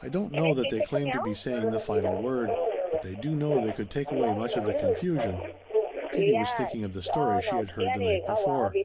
"I don't know that they claim to be saying the final word, but they do know they could take away much of the confusion." Katie was thinking of the story she had heard the night before.